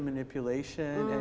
manipulasi data dan